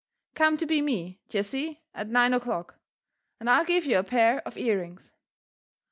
*^ Gome to be me, d'ye see, at nine o'clock, and I'll give you a pair of ear rings.